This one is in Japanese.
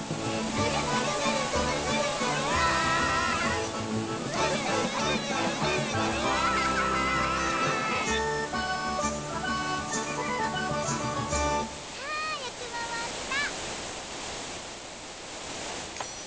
「ぐるぐるぐるぐるぐるぐるわい！」はよくまわった！